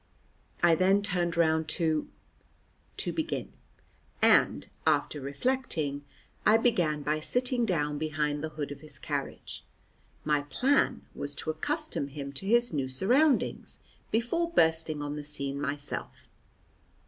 I then turned round to to begin, and, after reflecting, I began by sitting down behind the hood of his carriage. My plan was to accustom him to his new surroundings before bursting on the scene myself.